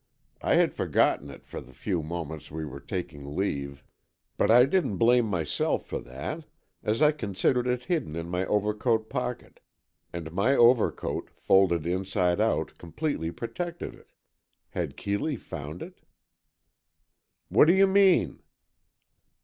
I had forgotten it for the few moments we were taking leave, but I didn't blame myself for that, as I considered it hidden in my overcoat pocket, and my overcoat, folded inside out completely protected it. Had Keeley found it? "What do you mean?"